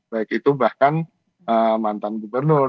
baik itu bahkan mantan gubernur